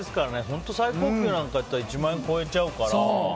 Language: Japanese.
本当最高級なんかだと１万円超えちゃうから。